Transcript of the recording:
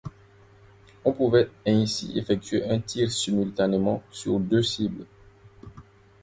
On pouvait ainsi effectuer un tir simultanément sur deux cibles.